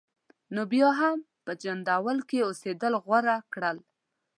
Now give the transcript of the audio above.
نو بیا یې هم په جندول کې اوسېدل غوره کړل.